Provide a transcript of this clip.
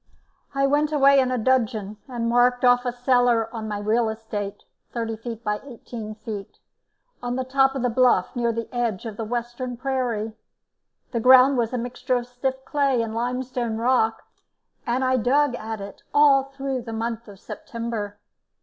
I went away in a dudgeon and marked off a cellar on my real estate, 30 feet by 18 feet, on the top of the bluff, near the edge of the western prairie. The ground was a mixture of stiff clay and limestone rock, and I dug at it all through the month of September.